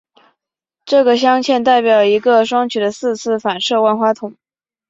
这个镶嵌代表一个双曲的四次反射万花筒。